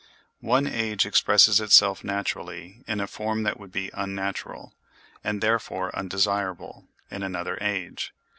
One age expresses itself naturally in a form that would be unnatural, and therefore undesirable, in another age.